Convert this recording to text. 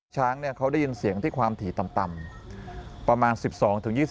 ช้างเขาได้ยินเสียงที่ความถี่ต่ำประมาณ๑๒๒๐